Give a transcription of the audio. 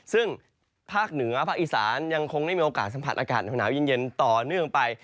ซึ่งภาคเหนือภาคอีสานยังคงได้มีโอกาสสัมผัสอากาศหนาวเย็นต่อเนื่องไป